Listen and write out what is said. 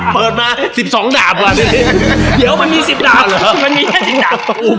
เปิดมาสิบสองดาบว่านี้เดี๋ยวมันมีสิบดาบเออเหรอ